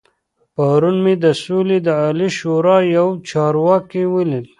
پرون مې د سولې د عالي شورا يو چارواکی ولید.